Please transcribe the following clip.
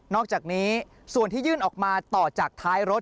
อกจากนี้ส่วนที่ยื่นออกมาต่อจากท้ายรถ